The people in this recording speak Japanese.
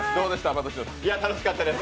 楽しかったです。